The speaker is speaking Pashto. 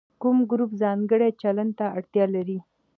کوم ګروپ ځانګړي چلند ته اړتیا لري.